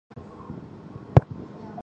该物种的模式产地在海南岛那大。